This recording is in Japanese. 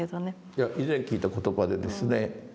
いや以前聞いた言葉でですね